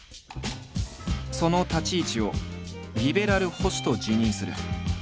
その立ち位置を「リベラル保守」と自認する。